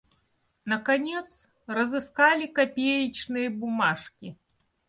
Наконец, разыскали копеечные бумажки.